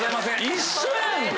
一緒やんか。